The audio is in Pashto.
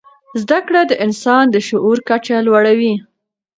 زده کړه د انسان د شعور کچه لوړوي.